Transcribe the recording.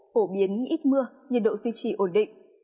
phổ biến ít mưa nhiệt độ duy trì ổn định